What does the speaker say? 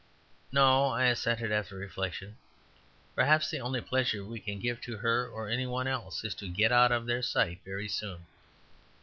"No," I assented after reflection. "Perhaps the only pleasure we can give to her or any one else is to get out of their sight very soon."